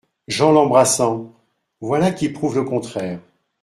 Jean, l’embrassant. — Voilà qui prouve le contraire !